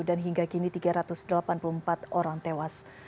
dan hingga kini tiga ratus delapan puluh empat orang tewas